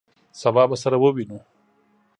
سبا به سره ووینو!